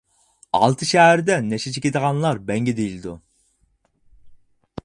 ئالتە شەھەردە نەشە چېكىدىغانلار بەڭگە دېيىلىدۇ.